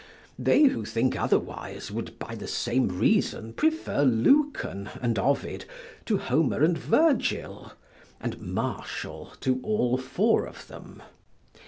They who think otherwise would by the same reason prefer Lucan and Ovid to Homer and Virgil, and Martial to all four of them.